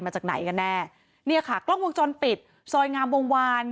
มาจากไหนกันแน่เนี่ยค่ะกล้องวงจรปิดซอยงามวงวาน